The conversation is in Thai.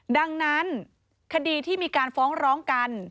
ดังนั้นคดีที่มีการฟ้องร้องกัน